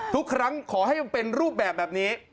ทุกครั้งขอให้มันเป็นรูปแบบนี้